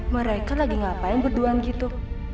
mereka lagi ngapain berduaan gitu